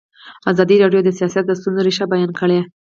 ازادي راډیو د سیاست د ستونزو رېښه بیان کړې.